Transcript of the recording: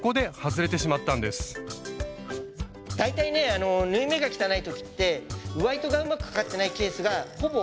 大体ね縫い目が汚い時って上糸がうまくかかってないケースがほぼ８割９割。